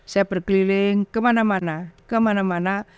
saya berkeliling kemana mana